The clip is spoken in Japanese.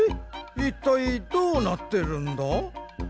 いったいどうなってるんだ？